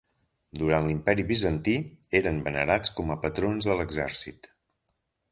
Durant l'imperi Bizantí, eren venerats com a patrons de l'exèrcit.